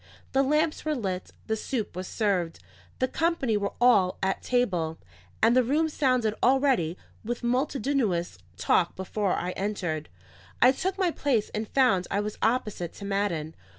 The lamps were lit, the soup was served, the company were all at table, and the room sounded already with multitudinous talk before I entered. I took my place and found I was opposite to Madden.